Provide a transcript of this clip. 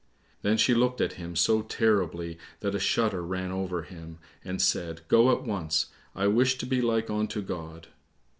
Then she looked at him so terribly that a shudder ran over him, and said, "Go at once; I wish to be like unto God."